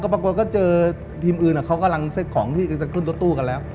ปรากฏก็เจอทีมอื่นเขากำลังเซ็ตของที่จะขึ้นรถตู้กันแล้ว